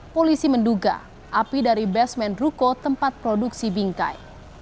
polisi menduga api dari basement ruko tempat produksi bingkai